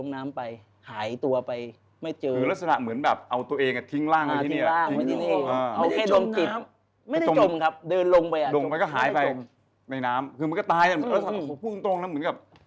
ในน้ำคือมันก็ตายแล้วมันก็พรุ่งตรงแล้วเหมือนกับ